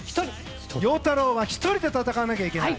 陽太郎は１人で戦わなきゃいけない。